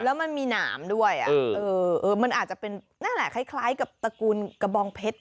แล้วมันมีหนามด้วยมันอาจจะเป็นนั่นแหละคล้ายกับตระกูลกระบองเพชร